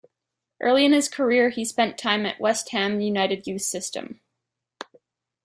Early in his career he spent time at West Ham United's youth system.